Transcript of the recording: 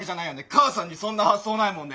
母さんにそんな発想ないもんね。